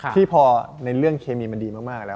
ที่พอในเรื่องเคมีมันดีมากแล้ว